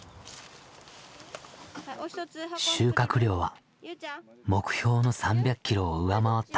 収穫量は目標の３００キロを上回った。